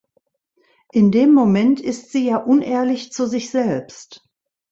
In dem Moment ist sie ja unehrlich zu sich selbst.